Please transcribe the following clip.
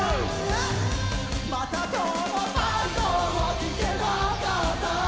「また今日も番号を聞けなかった」